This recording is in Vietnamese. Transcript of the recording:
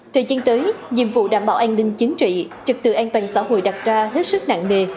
thời gian tới nhiệm vụ đảm bảo an ninh chính trị trực tự an toàn xã hội đặt ra hết sức nặng nề